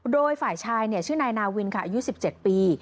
โดยฝ่ายชายชื่อนายนาวินค่ะอายุ๑๗ปี